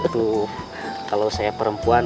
tuh kalau saya perempuan